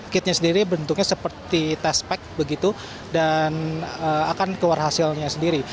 kitnya sendiri bentuknya seperti test pack begitu dan akan keluar hasilnya sendiri